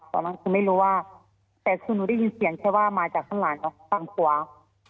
ตอนนั้นคือไม่รู้ว่าแต่คือหนูได้ยินเสียงแค่ว่ามาจากข้างหลังกับฝั่งขวา